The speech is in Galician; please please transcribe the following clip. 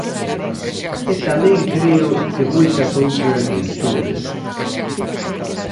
E tamén creo que moitas outras virtudes.